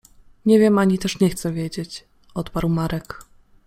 — Nie wiem ani też nie chcę wiedzieć! — odparł Marek.